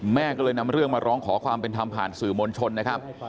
แม่ก็เลยนำเรื่องมาร้องขอความเป็นธรรมผ่านสื่อมวลชนนะครับ